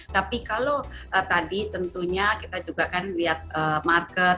tapi kalau tadi tentunya kita juga kan lihat market